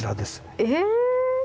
え！